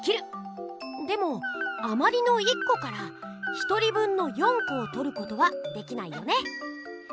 でもあまりの１こから１人分の４こをとることはできないよね！